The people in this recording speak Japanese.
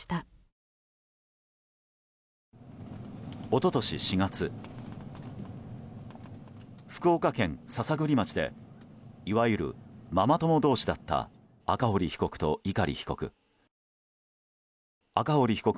一昨年４月、福岡県篠栗町でいわゆるママ友同士だった赤堀被告と碇被告。